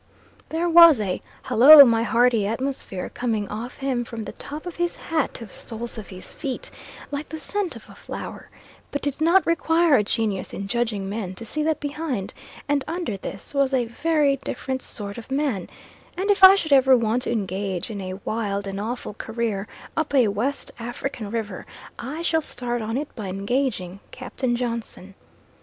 There was a Hallo my Hearty atmosphere coming off him from the top of his hat to the soles of his feet, like the scent off a flower; but it did not require a genius in judging men to see that behind, and under this was a very different sort of man, and if I should ever want to engage in a wild and awful career up a West African river I shall start on it by engaging Captain Johnson.